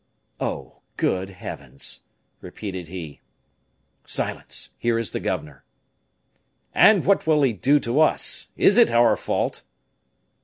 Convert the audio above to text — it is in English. "Oh! good heavens!" repeated he. "Silence! Here is the governor." "And what will he do to us? Is it our fault?"